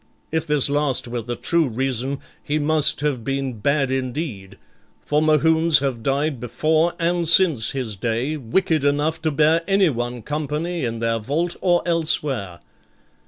If this last were the true reason, he must have been bad indeed, for Mohunes have died before and since his day wicked enough to bear anyone company in their vault or elsewhere.